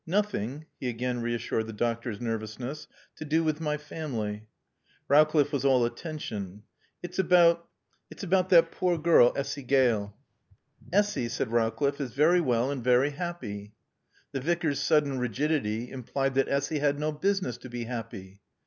Nothing" (he again reassured the doctor's nervousness) "to do with my family." Rowcliffe was all attention. "It's about it's about that poor girl, Essy Gale." "Essy," said Rowcliffe, "is very well and very happy." The Vicar's sudden rigidity implied that Essy had no business to be happy.